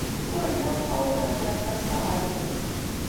Ur lliɣ ssawaḍeɣ igerdan s aɣerbaz.